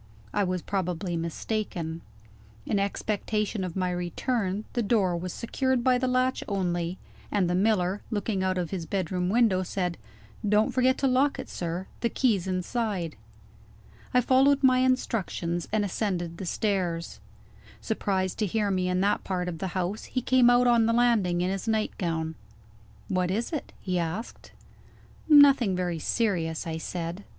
I was probably mistaken. In expectation of my return, the door was secured by the latch only; and the miller, looking out of his bedroom window, said: "Don't forget to lock it, sir; the key's inside." I followed my instructions, and ascended the stairs. Surprised to hear me in that part of the house, he came out on the landing in his nightgown. "What is it?" he asked. "Nothing very serious," I said.